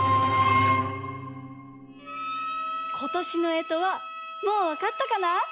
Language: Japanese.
ことしのえとはもうわかったかな？